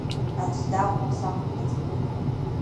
Аӡә дагуп, саҳ ухаҵкы!